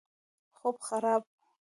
خوب خراب وو.